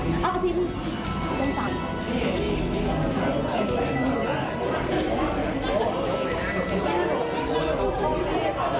อาทิตย์เป็นจันทร์